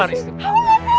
aku mau pulang